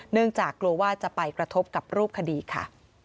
เนื่องจากกลัวว่าจะไปกระทบกับรูปคดีค่ะ